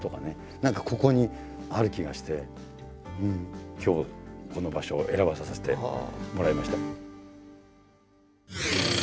何かここにある気がして今日この場所を選ばさせてもらいました。